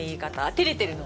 照れてるの？